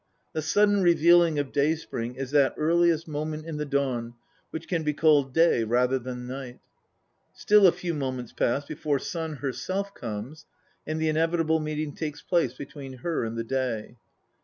The sudden revealing of Day spring is that earliest moment in the dawn which can be called day rather than night. Still a few moments pass before Sun herself comes, and the inevitable meeting takes place between her and the Day.